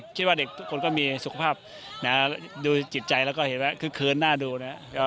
และก็คิดว่าเด็กทุกคนก็มีสุขภาพเราดูจิตใจและก็เห็นว่าเกินหน้าดูนะ